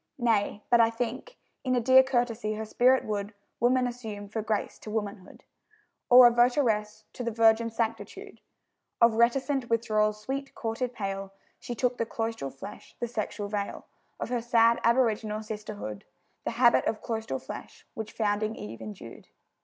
Nay, but I think In a dear courtesy her spirit would Woman assume, for grace to womanhood. Or, votaress to the virgin Sanctitude Of reticent withdrawal's sweet, courted pale, She took the cloistral flesh, the sexual veil, Of her sad, aboriginal sisterhood; The habit of cloistral flesh which founding Eve indued.